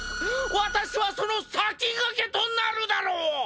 私はその先駆けとなるだろう！